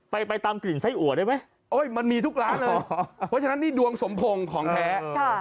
ไปไปตามกลิ่นไส้อัวได้ไหมโอ้ยมันมีทุกร้านเลยเพราะฉะนั้นนี่ดวงสมพงษ์ของแท้